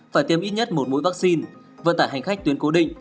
phải tiêm ít nhất một mũi vaccine vận tải hành khách tuyến cố định